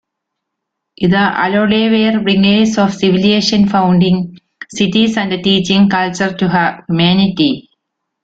The Aloadae were bringers of civilization, founding cities and teaching culture to humanity.